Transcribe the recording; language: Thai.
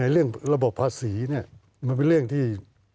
เรื่องระบบภาษีมันเป็นเรื่องที่